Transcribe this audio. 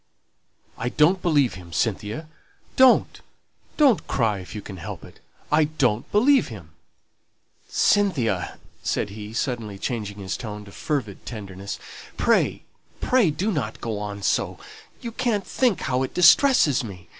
"I don't believe him, Cynthia. Don't, don't cry if you can help it; I don't believe him." "Cynthia," said he, suddenly changing his tone to fervid tenderness, "pray, pray do not go on so; you can't think how it distresses me!"